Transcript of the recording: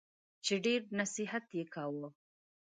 چي ډېر نصیحت یې کاوه !